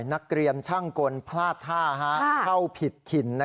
นักเรียนช่างกลพลาดท่าเข้าผิดถิ่น